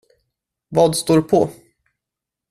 Vad står på?